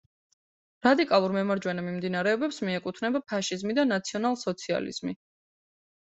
რადიკალურ მემარჯვენე მიმდინარეობებს მიეკუთვნება ფაშიზმი და ნაციონალ-სოციალიზმი.